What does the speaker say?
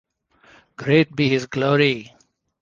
Great be his glory!